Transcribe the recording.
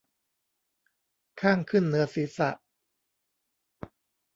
ข้างขึ้นเหนือศีรษะ